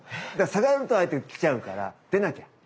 下がると相手が来ちゃうから出なきゃ！